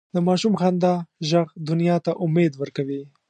د ماشوم خندا ږغ دنیا ته امید ورکوي.